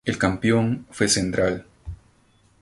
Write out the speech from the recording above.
El campeón fue Central.